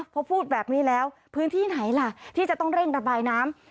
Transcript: พอพูดแบบนี้แล้วพื้นที่ไหนล่ะที่จะต้องเร่งระบายน้ำ